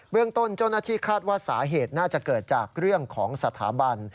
เรื่องต้นเจ้าหน้าที่คาดว่าสาเหตุน่าจะเกิดจากเรื่องของสถาบัน